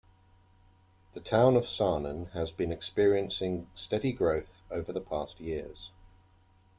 The town of Sarnen has been experiencing steady growth over the past years.